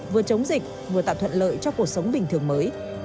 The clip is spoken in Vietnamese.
vừa chống dịch vừa tạo thuận lợi cho cuộc sống bình thường mới